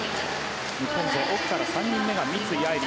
日本勢、奥から３人目が三井愛梨。